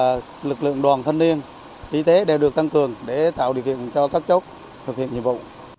cùng với việc tách điểm chốt lực lượng đoàn thanh niên y tế đều được tăng cường để tạo điều kiện cho các chốt thực hiện nhiệm vụ